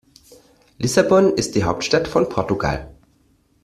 Lissabon ist die Hauptstadt von Portugal.